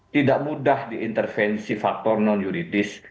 tidak mudah diintervensi faktor non yuridis